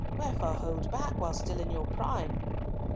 Wherefore hold back while still in your prime?"